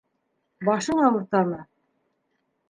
Башың ауыртамы?